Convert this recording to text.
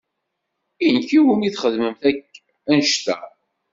I nekk i wumi txedmemt akk annect-a?